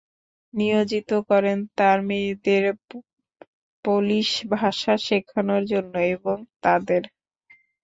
নিয়োজিত করেন তাঁর মেয়েদের পোলিশ ভাষা শেখানোর জন্য এবং তাদের